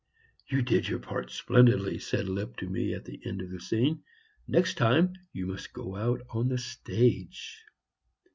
"You did your part splendidly," said Lipp to me at the end of the scene; "next time you must go out on the stage."